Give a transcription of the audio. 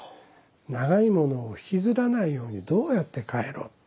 長いものを引きずらないようにどうやって帰ろう。